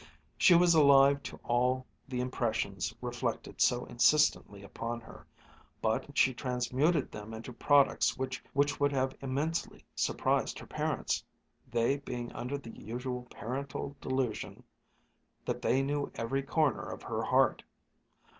She was alive to all the impressions reflected so insistently upon her, but she transmuted them into products which would immensely have surprised her parents, they being under the usual parental delusion that they knew every corner of her heart.